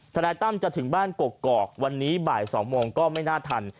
นายตั้มจะถึงบ้านกกอกวันนี้บ่าย๒โมงก็ไม่น่าทัน